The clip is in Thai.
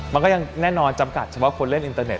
มันก็ยังแน่นอนจำกัดเฉพาะคนเล่นอินเตอร์เต็